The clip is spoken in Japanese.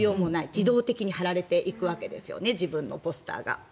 自動的に貼られていくわけです自分のポスターが。